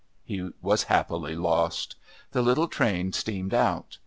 He was happily lost; the little train steamed out.